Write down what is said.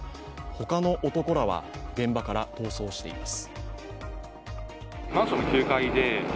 ほかの男らは現場から逃走しています。